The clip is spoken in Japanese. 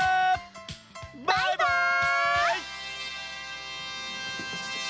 バイバイ！